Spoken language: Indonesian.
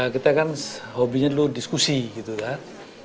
kita kan hobinya dulu diskusi gitu kan